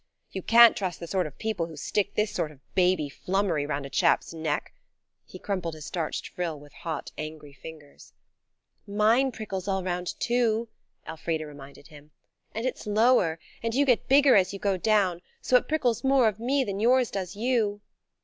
You can't trust the sort of people who stick this sort of baby flummery round a chap's neck. He crumpled his starched frill with hot, angry fingers. "Mine prickles all round, too," Elfrida reminded him, "and it's lower, and you get bigger as you go down, so it prickles more of me than yours does you."